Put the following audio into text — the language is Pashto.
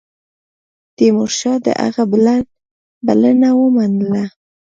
تیمورشاه د هغه بلنه ومنله.